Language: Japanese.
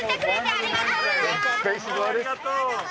ありがとうね。